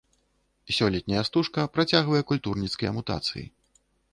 Сёлетняя стужка працягвае культурніцкія мутацыі.